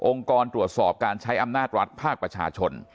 กรตรวจสอบการใช้อำนาจรัฐภาคประชาชน